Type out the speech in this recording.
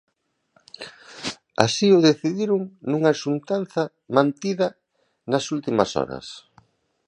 Así o decidiron nunha xuntanza mantida nas últimas horas.